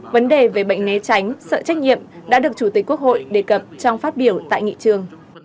vấn đề về bệnh né tránh sợ trách nhiệm đã được chủ tịch quốc hội đề cập trong phát biểu tại nghị trường